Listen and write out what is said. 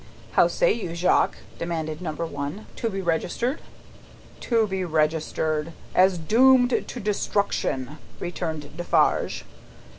"How say you, Jacques?" demanded Number One. "To be registered?" "To be registered, as doomed to destruction," returned Defarge.